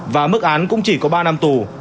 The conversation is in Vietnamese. và mức án cũng chỉ có ba năm tù